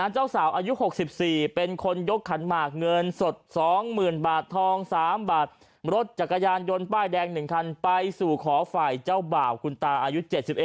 เจ้าสาวอายุ๖๔เป็นคนยกขันหมากเงินสด๒๐๐๐บาททอง๓บาทรถจักรยานยนต์ป้ายแดง๑คันไปสู่ขอฝ่ายเจ้าบ่าวคุณตาอายุ๗๑